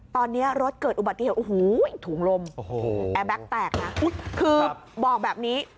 ตอนนี้รถเกิดอุบัติเหตุโอ้โหถุงลมโอ้โหแอร์แบ็คแตกนะคือบอกแบบนี้